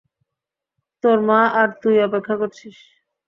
তোর মা আর তুই অপেক্ষা করছিস।